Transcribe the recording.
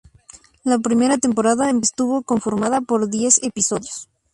La primera temporada estuvo conformada por diez episodios.